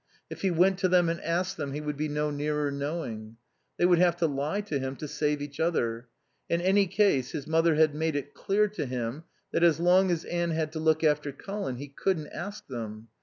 If he went to them and asked them he would be no nearer knowing. They would have to lie to him to save each other. In any case, his mother had made it clear to him that as long as Anne had to look after Colin he couldn't ask them.